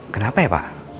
kenapa ya pak